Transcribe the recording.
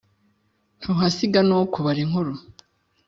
Ntuhasiga n’uwo kubara inkuru.